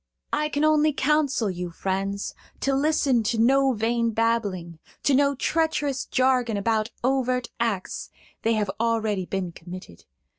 "I can only counsel you, friends, to listen to no vain babbling, to no treacherous jargon about overt acts; they have already been committed.